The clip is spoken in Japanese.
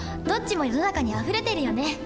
どっちも世の中にあふれてるよね。